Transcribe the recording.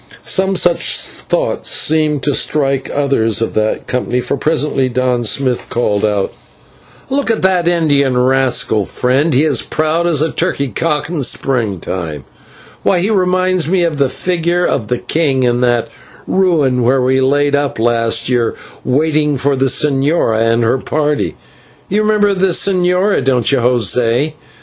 Some such thoughts seemed to strike others of that company, for presently Don Smith called out "Look at that Indian rascal, friend, he is proud as a turkey cock in springtime: why, he reminds me of the figure of the king in that ruin where we laid up last year waiting for the señora and her party. You remember the señora, don't you, José?